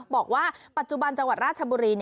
บอกว่าปัจจุบันจังหวัดราชบุรี